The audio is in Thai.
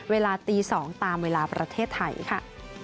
เวลาตี๒ตามเวลาประเทศไทยค่ะ